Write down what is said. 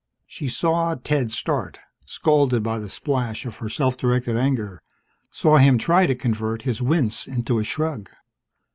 She saw Ted start, scalded by the splash of her self directed anger, saw him try to convert his wince into a shrug.